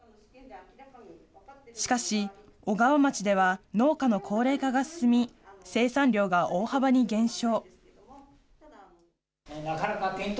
しかし、小川町では農家の高齢化が進み、生産量が大幅に減少。